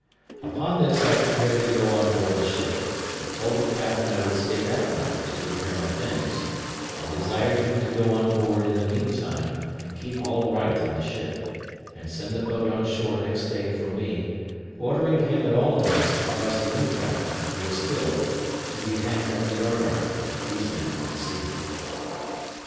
Upon this I prepared to go on board the ship; but told the captain I would stay that night to prepare my things, and desired him to go on board in the meantime, and keep all right in the ship, and send the boat on shore next day for me; ordering him, at all events, to cause the new captain, who was killed, to be hanged at the yard arm, that these men might see him.